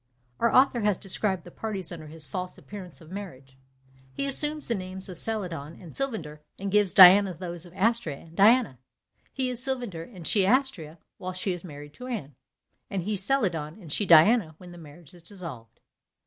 Our author has described the parties under this false appearance of marriage. He assumes the names of Celadon and Sylvander, and gives Diana those of Astrea and Diana. He is Sylvander and she Astrea while she is married to Anne; and he Celadon and she Diana when the marriage is dissolved.